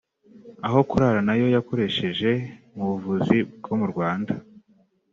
aho kurara n’ayo yakoresheje mu buvuzi bwo mu Rwanda